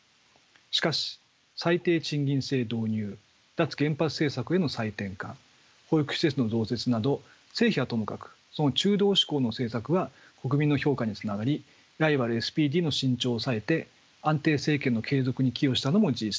しかし最低賃金制導入脱原発政策への再転換保育施設の増設など成否はともかくその中道志向の政策は国民の評価につながりライバルＳＰＤの伸長を抑えて安定政権の継続に寄与したのも事実です。